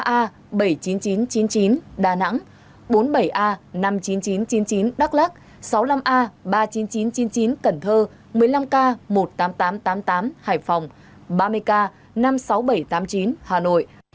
ba a bảy mươi chín nghìn chín trăm chín mươi chín đà nẵng bốn mươi bảy a năm mươi chín nghìn chín trăm chín mươi chín đắk lắc sáu mươi năm a ba mươi chín nghìn chín trăm chín mươi chín cần thơ một mươi năm k một mươi tám nghìn tám trăm tám mươi tám hải phòng ba mươi k năm mươi sáu nghìn bảy trăm tám mươi chín hà nội